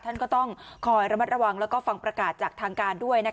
ท่านก็ต้องคอยระมัดระวังแล้วก็ฟังประกาศจากทางการด้วย